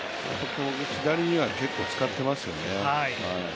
左には結構使っていますよね。